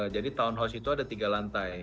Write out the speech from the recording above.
jadi townhouse itu ada tiga lantai